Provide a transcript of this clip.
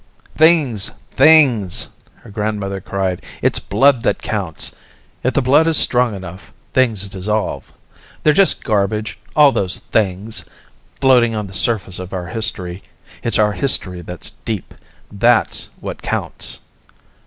"Things, things!" her grandmother cried. "It's blood that counts. If the blood is strong enough, things dissolve. They're just garbage, all those things, floating on the surface of our history. It's our history that's deep. That's what counts."